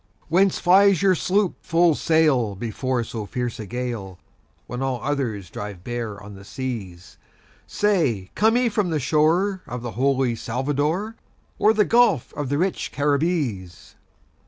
"Whence flies your sloop full sail before so fierce a gale, When all others drive bare on the seas? Say, come ye from the shore of the holy Salvador, Or the gulf of the rich Caribbees?"